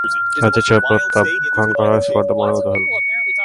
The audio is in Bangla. আজ এই সেবা প্রত্যাখ্যান করার স্পর্ধা মনেও উদয় হল না।